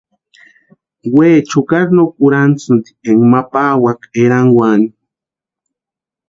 Weecha jukari no kurhantisïni éka ma pawaka erankwani.